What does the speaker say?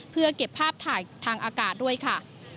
เพื่อเก็บภาพถ่ายทางอากาศด้วยค่ะ